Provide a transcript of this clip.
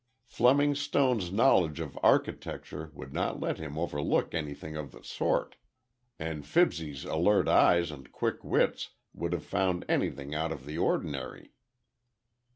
Fleming Stone's knowledge of architecture would not let him overlook any thing of the sort, and Fibsy's alert eyes and quick wits would have found anything out of the ordinary.